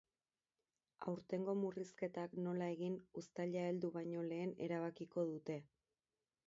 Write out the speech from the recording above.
Aurtengo murrizketak nola egin uztaila heldu baino lehen erabakiko dute.